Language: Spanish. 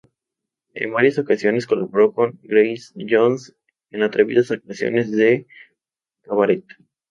En varias ocasiones colaboró con Grace Jones en atrevidas actuaciones de cabaret.